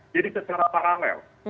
jadi secara paralel